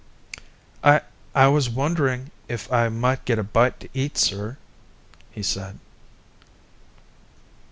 "I I was wondering if I might get a bite to eat, sir," he said.